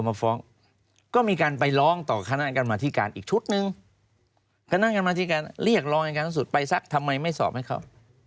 เรียกรองอย่างกันทั้งสุดไปซักทำไมไม่สอบให้เขา